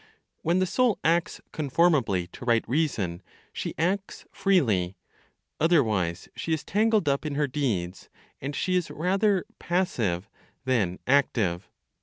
When the soul acts "conformably to right reason" she acts freely. Otherwise, she is tangled up in her deeds, and she is rather "passive" than "active."